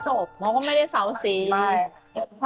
จบมากว่าไม่ได้เตรียมประเภทสีก๊อบอืมใช่